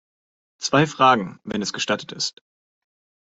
Zwei Fragen, wenn es gestattet ist.